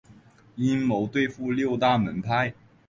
阴谋对付六大门派。